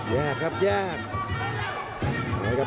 แยกครับแยก